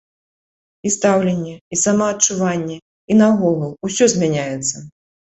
І стаўленне, і самаадчуванне, і наогул усё змяняецца.